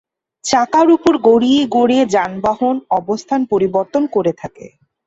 চাকার উপরে গড়িয়ে গড়িয়ে যানবাহন অবস্থান পরিবর্তন করে থাকে।